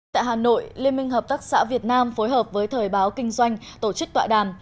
tại hà nội liên minh hợp tác xã việt nam phối hợp với thời báo kinh doanh tổ chức tọa đàm